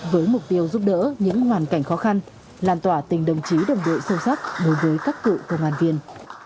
với mục tiêu giúp đỡ những hoàn cảnh khó khăn làn tỏa tình đồng chí đồng đội sâu sắc đối với các cựu công an viên